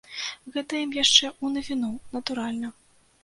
Гэта ім яшчэ ў навіну, натуральна.